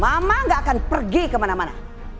mama gak akan pergi kemana mana